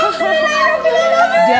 terima kasih mama